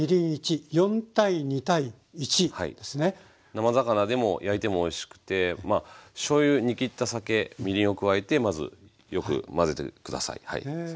生魚でも焼いてもおいしくてしょうゆ煮きった酒みりんを加えてまずよく混ぜて下さい。